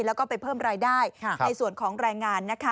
แล้วก็ไปเพิ่มรายได้ในส่วนของแรงงานนะคะ